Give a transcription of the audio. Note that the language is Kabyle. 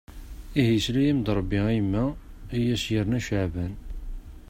Ihi yesla-am-d Rebbi a yemma. I as-yerna Caɛban.